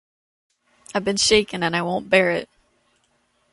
I've been shaken, and I won't bear it!